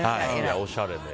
おしゃれで。